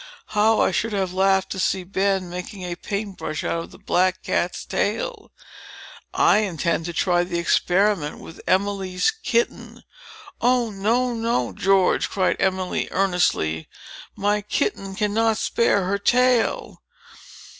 How I should have laughed to see Ben making a paint brush out of the black cat's tail! I intend to try the experiment with Emily's kitten." "Oh, no, no, George!" cried Emily, earnestly. "My kitten cannot spare her tail."